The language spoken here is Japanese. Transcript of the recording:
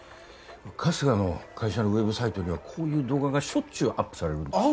春日の会社のウェブサイトにはこういう動画がしょっちゅうアップされるんですよ